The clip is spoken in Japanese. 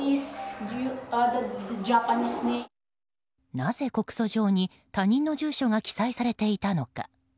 なぜ、告訴状に他人の住所が記載されていたのか。